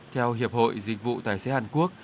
theo hiệp hội dịch vụ tài xế hàn quốc